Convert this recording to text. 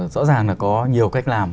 rõ ràng là có nhiều cách làm